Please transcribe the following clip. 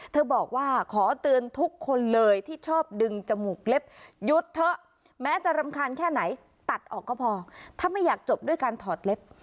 บอกว่าขอเตือนทุกคนเลยที่ชอบดึงจมูกเล็บหยุดเถอะแม้จะรำคาญแค่ไหนตัดออกก็พอถ้าไม่อยากจบด้วยการถอดเล็บ